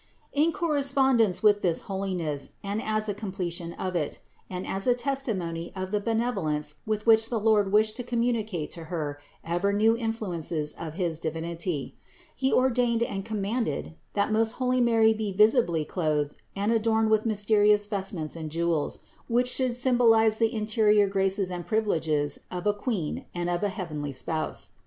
76. In correspondence with this holiness, and as a completion of it, and as a testimony of the benevolence with which the Lord wished to communicate to Her ever new influences of his Divinity, He ordained and com manded, that most holy Mary be visibly clothed and adorned with mysterious vestments and jewels, which should symbolize the interior graces and privileges of a Queen and of a heavenly Spouse.